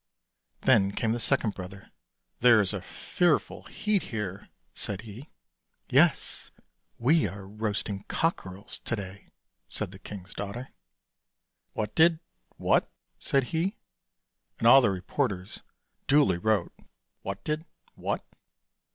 Then came the second brother. " There's a fearful heat here," said he. HANS CLODHOPPER 25 " Yes, we are roasting cockerels to day," said the king's daughter. "What did — what?" said he, and all the reporters duly wrote " What did — what."